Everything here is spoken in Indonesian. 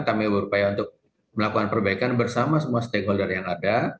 kami berupaya untuk melakukan perbaikan bersama semua stakeholder yang ada